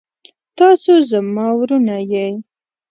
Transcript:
تاسو زما وروڼه يې.